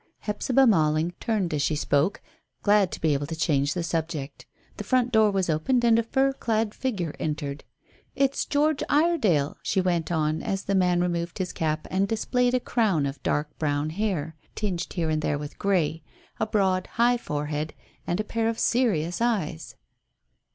Hephzibah Malling turned as she spoke, glad to be able to change the subject. The front door was opened, and a fur clad figure entered. "It's George Iredale," she went on, as the man removed his cap and displayed a crown of dark brown hair, tinged here and there with grey, a broad high forehead and a pair of serious eyes.